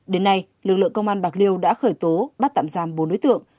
đến nay lực lượng công an bạc liêu đã khởi tố bắt tạm giam bốn đối tượng